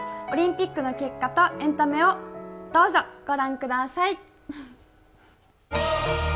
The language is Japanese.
オリンピックの結果とエンタメをどうぞ御覧ください。